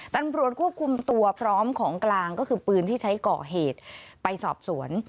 ตำรวจควบคุมตัวพร้อมของกลางก็คือปืนที่ใช้ก่อเหตุไปสอบสวน